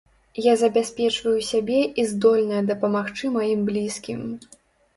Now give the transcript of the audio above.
Я забяспечваю сябе і здольная дапамагчы маім блізкім.